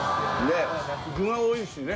具が多いしね。